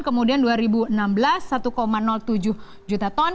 kemudian dua ribu enam belas satu tujuh juta ton